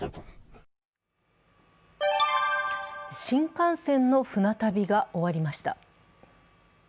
新幹線の船旅が終わりました。